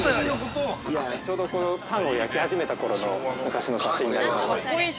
◆ちょうどパンを焼き始めたころの昔の写真になりますね。